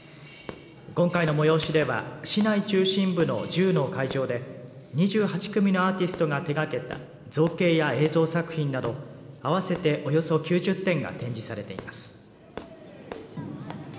今回の催しでは市内中心部の１０の会場で２８組のアーティストが手がけた造形や映像作品など合わせておよそ９０点が展示されています。